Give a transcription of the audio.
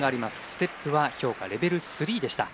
ステップは評価レベル３でした。